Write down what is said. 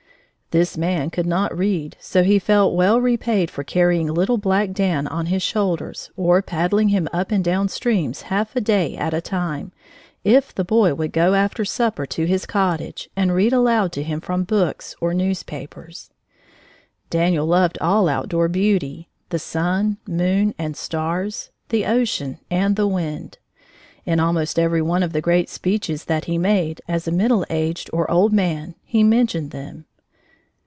This man could not read, so he felt well repaid for carrying little black Dan on his shoulder, or paddling him up and down streams half a day at a time, if the boy would go after supper to his cottage and read aloud to him from books or newspapers. Daniel loved all outdoor beauty, the sun, moon, and stars, the ocean, and the wind. In almost every one of the great speeches that he made, as a middle aged, or old man, he mentioned them.